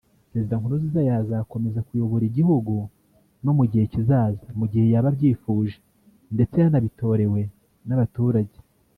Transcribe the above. Perezida Nkurunziza yazakomeza kuyobora igihugu no mu gihe kizaza mu gihe yaba abyifuje ndetse yanabitorewe n’abaturage